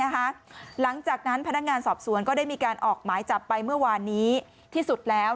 หลังจากนั้นพนักงานสอบสวนก็ได้มีการออกหมายจับไปเมื่อวานนี้ที่สุดแล้ว